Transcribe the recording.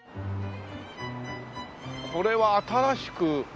これは新しく。